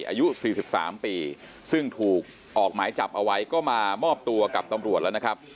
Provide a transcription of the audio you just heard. อายุ๔๓ปีซึ่งถูกออกหมายจับเอาไว้ก็มามอบตัวกับตำรวจแล้วนะครับ